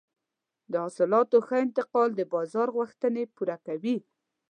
د حاصلاتو ښه انتقال د بازار غوښتنې پوره کوي.